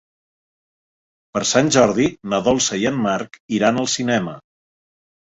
Per Sant Jordi na Dolça i en Marc iran al cinema.